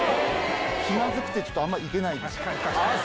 気まずくて、ちょっとあんまり行けないです。